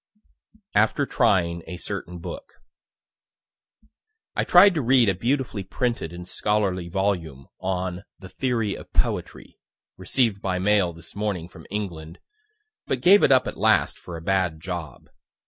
AFTER TRYING A CERTAIN BOOK I tried to read a beautifully printed and scholarly volume on "the Theory of Poetry," received by mail this morning from England but gave it up at last for a bad job.